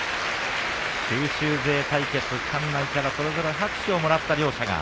九州勢対決、館内からそれぞれ拍手をもらった両者。